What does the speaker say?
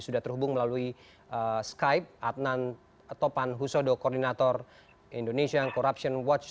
sudah terhubung melalui skype adnan topan husodo koordinator indonesian corruption watch